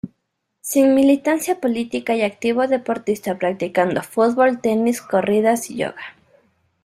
Sin militancia política y activo deportista practicando fútbol, tenis, corridas y yoga.